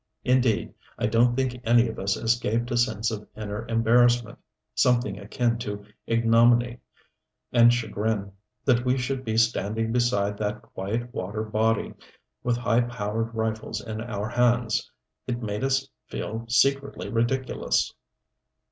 Indeed, I don't think any of us escaped a sense of inner embarrassment something akin to ignominy and chagrin that we should be standing beside that quiet water body, with high powered rifles in our hands. It made us feel secretly ridiculous.